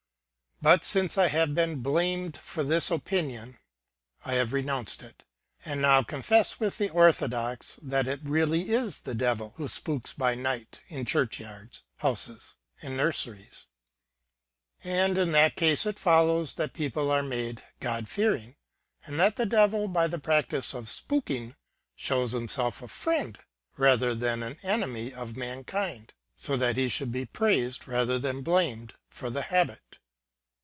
' But since I have been blamed for this opinion, I have renounced it, and now confess with the orthodox that it really is the Devil who spooks by night in church yards, houses, and nurseries. 'But in that case it follows that people are made God fearing, and that the Devil by this practice of spooking shows himself a friend rather than an enemy of mankind, so that he should be praised rather than blamed for the habit.